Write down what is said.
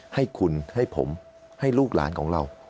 ให้คุณให้ผมให้ลูกหลานของเรา